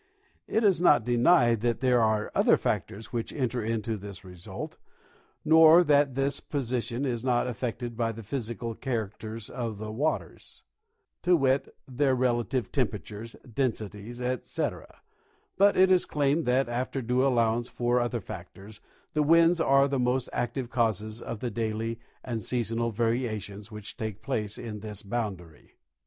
It is not denied that there are other factors which enter into this result, nor that this position is not affected by the physical characters of the waters, viz, their relative temperatures, densities, etc ; but it is claimed that, after due allowance for other factors, the winds are the most active causes of the daily and seasonal variations which take place in this boundary.